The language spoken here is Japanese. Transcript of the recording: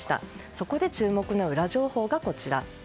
そこで注目のウラ情報がこちら。